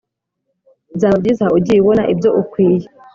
Byaba byiza ugiye ubona ibyo ukwie